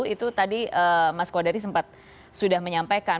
itu tadi mas kodari sempat sudah menyampaikan